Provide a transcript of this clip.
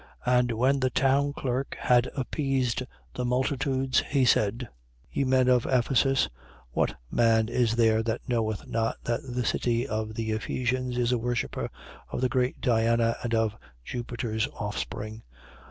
19:35. And when the town clerk had appeased the multitudes, he said: Ye men of Ephesus, what man is there that knoweth not that the city of the Ephesians is a worshipper of the great Diana and of Jupiter's offspring?